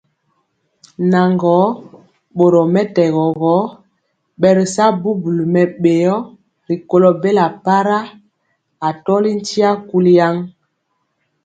Naŋgɔɔ, boromɛtɛgɔ gɔ, bɛritya bubuli mɛbéo rikɔlɔ bela para, atɔli ntia kuli.